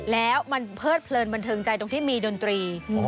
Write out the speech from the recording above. แล้วมันเพิดเพลินบันเทิงใจตรงที่มีดนตรี